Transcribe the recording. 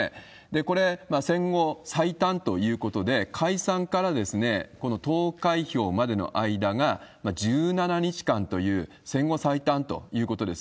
これ、戦後最短ということで、解散からこの投開票までの間が１７日間という、戦後最短ということです。